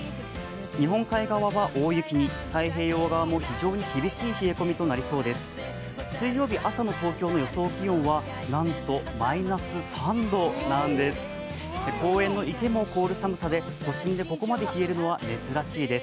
日本海側は大雪に、太平洋側も厳しい冷え込みになる見込みです。